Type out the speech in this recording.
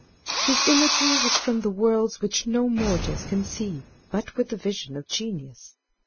His imagery was from the worlds which no mortals can see but with the vision of genius.